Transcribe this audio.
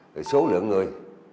thì số lượng người